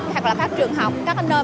hoặc là các trường học các nơi